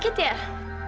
orang ini gue pacarnya